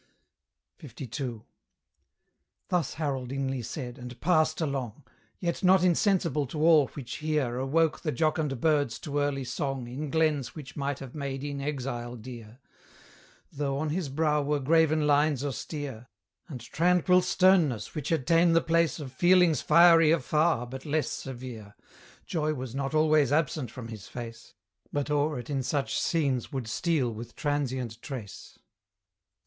LII. Thus Harold inly said, and passed along, Yet not insensible to all which here Awoke the jocund birds to early song In glens which might have made e'en exile dear: Though on his brow were graven lines austere, And tranquil sternness which had ta'en the place Of feelings fierier far but less severe, Joy was not always absent from his face, But o'er it in such scenes would steal with transient trace.